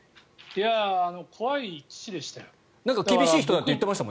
怖い父でしたよ。